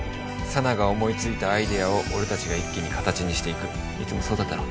佐奈が思いついたアイデアを俺達が一気に形にしていくいつもそうだったろ